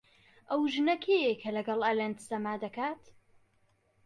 ئەو ژنە کێیە کە لەگەڵ ئەلەند سەما دەکات؟